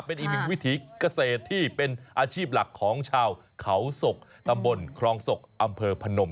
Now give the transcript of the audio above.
เป็นอีกหนึ่งวิถีเกษตรที่เป็นอาชีพหลักของชาวเขาศกตำบลคลองศกอำเภอพนม